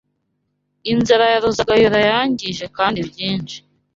Inzara ya Ruzagayura yangije kandi byinshi